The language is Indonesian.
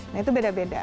nah itu beda beda